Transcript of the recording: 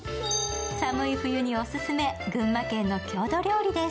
寒い冬にオススメ、群馬県の郷土料理です。